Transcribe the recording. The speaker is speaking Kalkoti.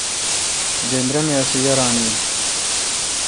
جندرے می اسی یاران این۔